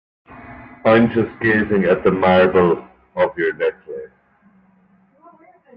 I'm just gazing at the marble of your necklace.